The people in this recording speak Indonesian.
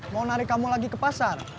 mau narik kamu lagi ke pasar